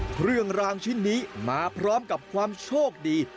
เครื่องรางชิ้นนี้มาพร้อมกับความโชคดี